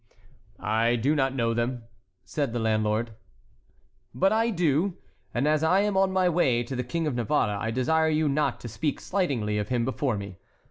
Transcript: "I do not know them," said the landlord. "But I do; and as I am on my way to the King of Navarre, I desire you not to speak slightingly of him before me."